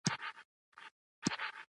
نۀ خو د پښتنو سيمې ته را رسېدلے دے.